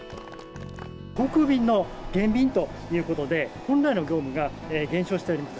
航空便の減便ということで、本来の業務が減少しております。